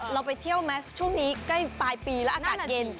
เราไปเที่ยวไหมช่วงนี้ใกล้ปลายปีแล้วอากาศเย็น